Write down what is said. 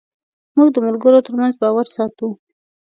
موږ د ملګرو تر منځ باور ساتو.